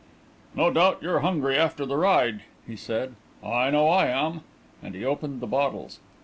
"No doubt you're hungry after the ride," he said. "I know I am," and he opened the bottles.